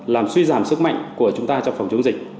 làm suy giảm sức mạnh của chúng ta trong phòng chống dịch